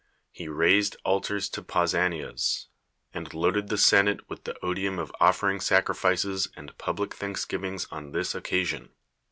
I'f raised altars to I'ausanias, and loaded the si iiate with the odium of oU'eriug sacrifices and public thanksgivings on this occasion.